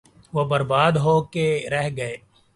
وہ برباد ہو کے رہ گئے۔